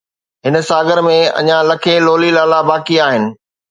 هن ساگر ۾ اڃا لکين لولي لالا باقي آهن